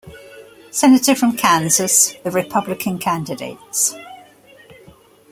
Senator from Kansas, the Republican candidates.